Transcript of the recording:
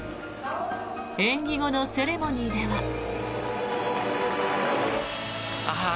演技後のセレモニーでは。